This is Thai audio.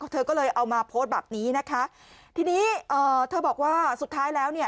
เธอก็เลยเอามาโพสต์แบบนี้นะคะทีนี้เอ่อเธอบอกว่าสุดท้ายแล้วเนี่ย